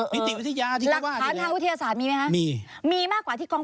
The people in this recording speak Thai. มีติดวิทยาที่เขาว่าได้เลย